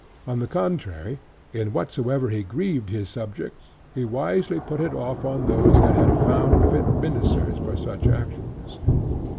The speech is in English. On the contrary, in whatsoever he grieved his subjects, he wisely put it off on those, that he found fit ministers for such actions.